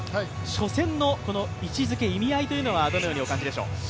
初戦の位置づけ、意味合いはどのようにお感じでしょう？